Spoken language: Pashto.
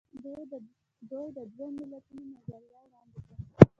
هغه د دوه ملتونو نظریه وړاندې کړه.